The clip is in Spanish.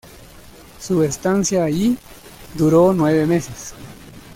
Su estancia allí duró nueve meses.